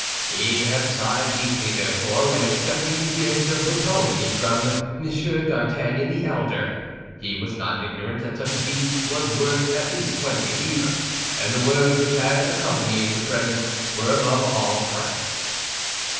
He had sighed deeply, therefore, when accepting the gift of the pony from M. d'Artagnan the elder. He was not ignorant that such a beast was worth at least twenty livres; and the words which had accompanied the present were above all price.